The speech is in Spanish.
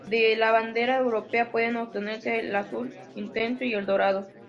De la bandera europea pueden obtenerse el azul intenso y el dorado.